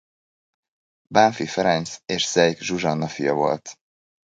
Bánffy Ferenc és Zeyk Zsuzsanna fia volt.